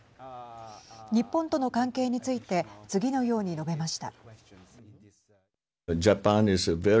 日本との関係について次のように述べました。